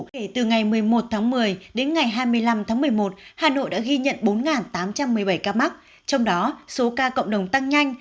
kể từ ngày một mươi một tháng một mươi đến ngày hai mươi năm tháng một mươi một hà nội đã ghi nhận bốn tám trăm một mươi bảy ca mắc trong đó số ca cộng đồng tăng nhanh